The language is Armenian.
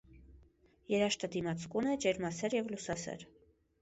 Երաշտադիմացկուն է, ջերմասեր և լուսասեր։